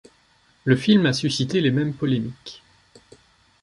Le film a suscité les mêmes polémiques.